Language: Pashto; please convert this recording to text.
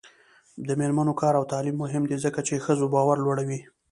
د میرمنو کار او تعلیم مهم دی ځکه چې ښځو باور لوړوي.